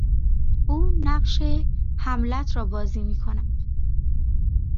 او نقش هملت را بازی میکند.